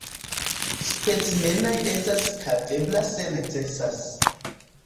Specimenaj estas havebla se necesas.